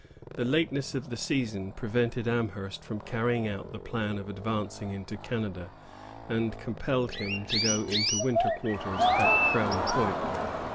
The lateness of the season prevented Amherst from carrying out the plan of advancing into Canada, and compelled him to go into winter quarters at Crown Point.